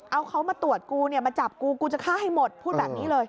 เอาเขามาตรวจกูเนี่ยมาจับกูกูจะฆ่าให้หมดพูดแบบนี้เลย